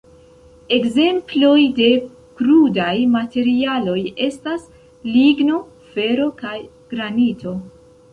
Ekzemploj de krudaj materialoj estas ligno, fero kaj granito.